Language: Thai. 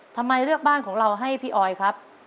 ทำไมเลือกบ้านของเราให้พี่ออยครับ